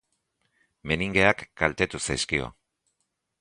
Meningeak kaltetu zaizkio.